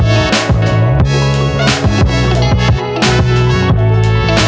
gue udah pernah sabar untuk dapetin sesuatu yang berharga